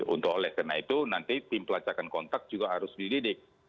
untuk oleh karena itu nanti tim pelacakan kontak juga harus dididik